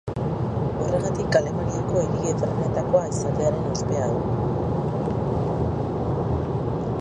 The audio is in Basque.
Horregatik, Alemaniako hiri ederrenetakoa izatearen ospea du.